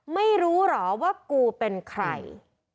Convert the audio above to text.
ไม่รู้เหรอว่ากูเป็นใคร